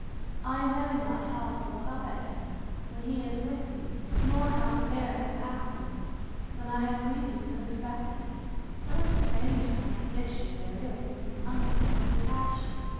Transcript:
I know not how to look up at him, when he is with me; nor how to bear his absence, when I have reason to expect him: What a strange contradiction there is in this unaccountable passion.